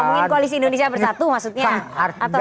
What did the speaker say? mungkin koalisi indonesia bersatu maksudnya